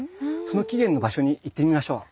その起源の場所に行ってみましょう。